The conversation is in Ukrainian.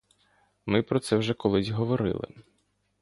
Ми про це вже колись говорили.